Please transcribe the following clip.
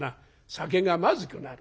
酒がまずくなる。